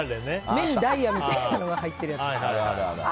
目にダイヤみたいなのが入ってるやつ。